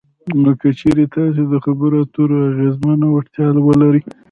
نو که چېرې تاسې دخبرو اترو اغیزمنه وړتیا ولرئ